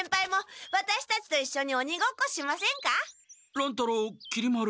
乱太郎きり丸。